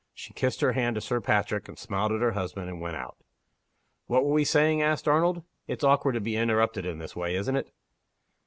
She kissed her hand to Sir Patrick, and smiled at her husband, and went out. "What were we saying?" asked Arnold. "It's awkward to be interrupted in this way, isn't it?"